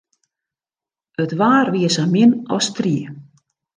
It waar wie sa min as strie.